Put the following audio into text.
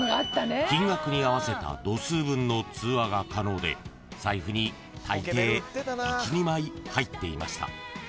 ［金額に合わせた度数分の通話が可能で財布にたいてい１２枚入っていました］